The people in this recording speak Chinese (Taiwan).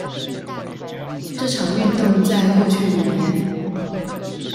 這場運動在過去五年